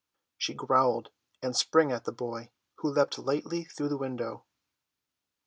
She growled and sprang at the boy, who leapt lightly through the window.